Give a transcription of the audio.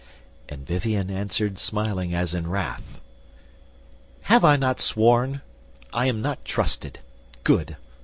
And Vivien answered smiling as in wrath: "Have I not sworn? I am not trusted. Good!